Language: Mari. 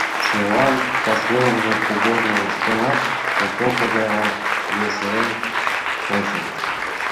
Селан касвелымже, кугорно воктенак, поселко гайрак вес илем шочо.